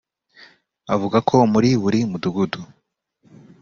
Avuga ko muri buri mudugudu